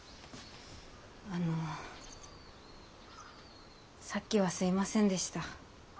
あのさっきはすいませんでした。